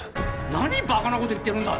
何バカなこと言ってるんだ